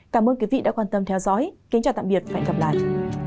cảm ơn quý vị đã quan tâm theo dõi kính chào tạm biệt và hẹn gặp lại